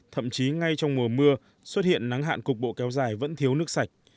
thậm chí ngay trong mùa mưa xuất hiện nắng hạn cục bộ kéo dài vẫn thiếu nước sạch